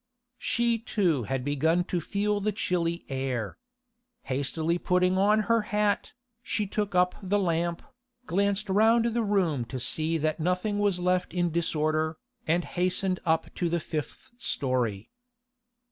She too had begun to feel the chilly air. Hastily putting on her hat, she took up the lamp, glanced round the room to see that nothing was left in disorder, and hastened up to the fifth storey.